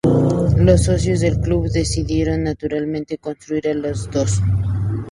Los socios del Club decidieron, naturalmente, concurrir a las dos.